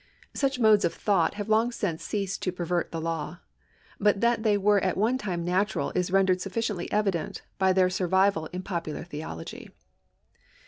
Such modes of thought have long since ceased to pervert the law ; but that they were at onfe time natural is rendered sufficiently evident by their survival in popular theology.